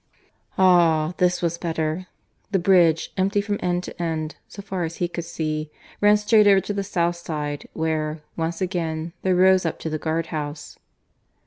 Ah, this was better! ... The bridge, empty from end to end, so far as he could see, ran straight over to the south side, where, once again, there rose up the guard house.